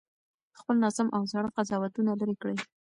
خپل ناسم او زاړه قضاوتونه لرې کړئ.